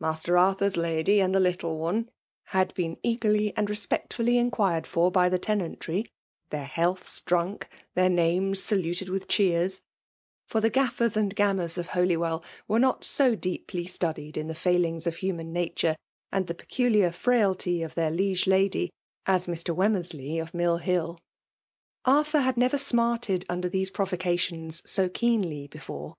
'^ Master Arthar's lady and the little one" had been cageiiy and i^espect^illy inquired for by the tenantry — their healths drunk — their names saluted wilii cheers; for the gaffers and gammers of Holywell were not so deeply studied in the failings of human nature, and the peculiar frailty of their liege lady, a« Mr. Wemmersley of MtU HilL Artiuir had never smarted under these pro Tocations so keenly before.